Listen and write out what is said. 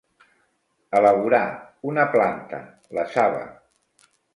Elaborar, una planta, la saba.